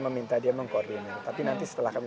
meminta dia mengkoordinir tapi nanti setelah kami